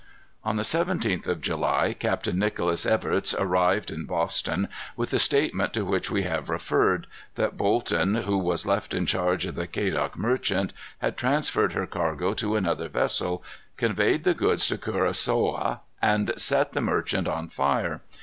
On the seventeenth of July, Captain Nicholas Evertse arrived in Boston, with the statement to which we have referred, that Bolton, who was left in charge of the Quedagh Merchant, had transferred her cargo to another vessel, conveyed the goods to Curacoa, and set the Merchant on fire.